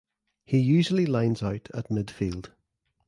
He usually lines out at midfield.